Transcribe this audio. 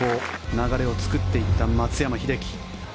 流れを作っていった松山英樹。